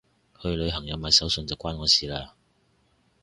去旅行有買手信就關我事嘞